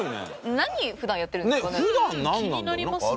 何普段やってるんですかね？